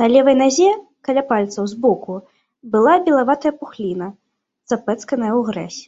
На левай назе, каля пальцаў, збоку, была белаватая пухліна, запэцканая ў гразь.